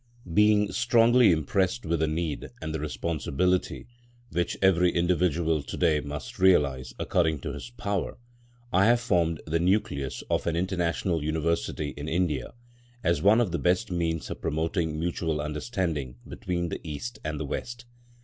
Being strongly impressed with the need and the responsibility, which every individual to day must realise according to his power, I have formed the nucleus of an International University in India, as one of the best means of promoting mutual understanding between the East and the West.